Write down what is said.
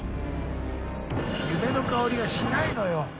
夢の香りがしないのよ。